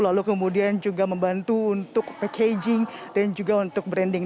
lalu kemudian juga membantu untuk packaging dan juga untuk branding